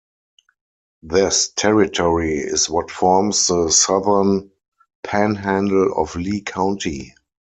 This territory is what forms the southern "panhandle" of Lee County.